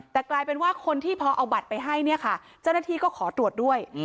แต่กลายเป็นว่าคนที่พอเอาบัตรไปให้เนี่ยค่ะเจ้าหน้าที่ก็ขอตรวจด้วย